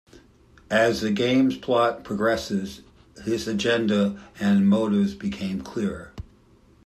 As the game's plot progresses, his agenda and motives become clearer.